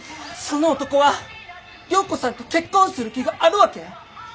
その男は良子さんと結婚する気があるわけ？